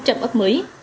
bốn trăm linh ấp mới